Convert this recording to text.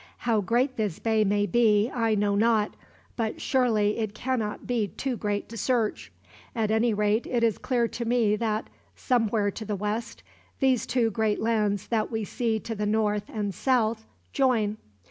How great this bay may be I know not, but surely it cannot be too great to search. At any rate it is clear to me that, somewhere to the west, these two great lands that we see to the north and south join.